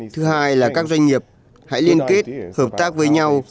thứ hai là các doanh nghiệp hãy liên kết hợp tác với nhau